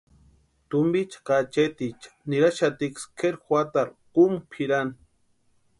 Tumpicha ka acheeticha niraxatiksï kʼeri juatarhu kumu pʼirani.